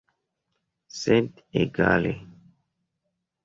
Sed egale.